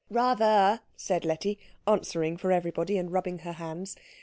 "Rather," said Letty, answering for everybody, and rubbing her hands.